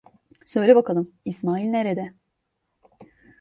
Söyle bakalım, İsmail nerede?